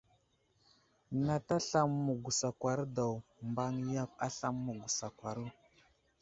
Nat aslam məgwəsaŋkwaro daw, mbaŋ yakw aslam məgwəsaŋkwaro.